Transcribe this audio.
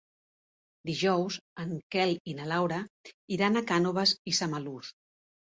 Dijous en Quel i na Laura iran a Cànoves i Samalús.